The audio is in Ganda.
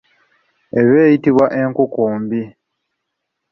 Eba eyitibwa enkukumbi.